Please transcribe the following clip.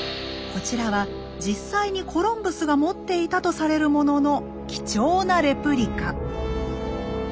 こちらは実際にコロンブスが持っていたとされるものの貴重なレプリカ。